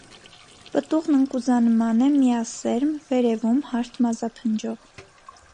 Պտուղն ընկուզանման է, միասերմ, վերևում՝ հարթ մազափնջով։